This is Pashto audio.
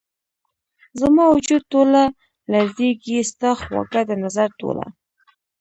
زما وجود ټوله لرزیږې ،ستا خواږه ، دنظر ټوله